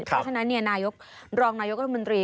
เพราะฉะนั้นนายกรองนายกรมนตรี